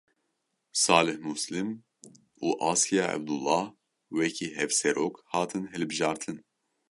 Salih Muslim û Asya Ebdulah wekî hevserok hatin hilbijartin.